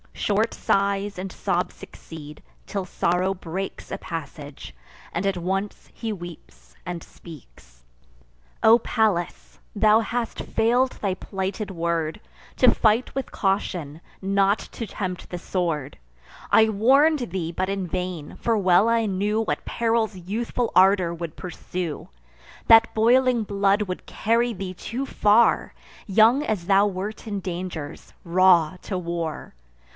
Short sighs and sobs succeed; till sorrow breaks A passage, and at once he weeps and speaks: "O Pallas! thou hast fail'd thy plighted word, To fight with caution, not to tempt the sword! I warn'd thee, but in vain; for well I knew What perils youthful ardour would pursue, That boiling blood would carry thee too far, Young as thou wert in dangers, raw to war!